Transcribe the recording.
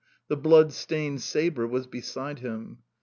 The blood stained sabre was beside him.